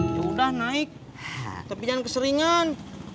ya udah naik tapi jangan keseringan